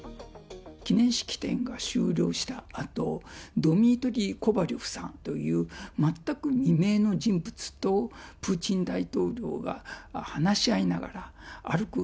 記念式典が終了したあと、ドミトリー・コバリョフさんという、全く無名の人物と、プーチン大統領が話し合いながら歩く